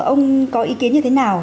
ông có ý kiến như thế nào